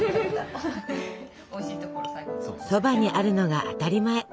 そばにあるのが当たり前。